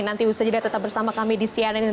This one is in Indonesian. nanti usahanya tetap bersama kami di cnn indonesia today